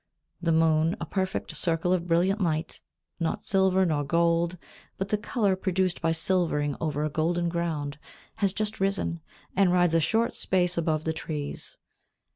The moon, a perfect circle of brilliant light, not silver nor gold, but the colour produced by silvering over a golden ground, has just risen, and rides a short space above the trees.